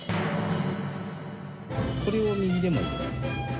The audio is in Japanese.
これを右でもいい。